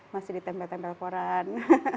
masih ditempel tempel koran